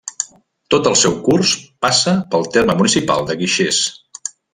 Tot el seu curs passa pel terme municipal de Guixers.